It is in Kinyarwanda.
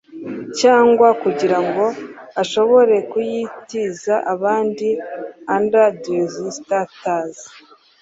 cyangwa kugira ngo ashobore kuyitiza abandi under these statutes